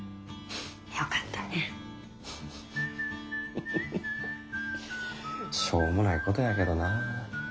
フフフフしょうもないことやけどな。